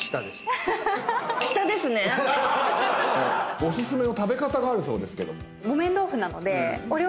お薦めの食べ方があるそうですけど。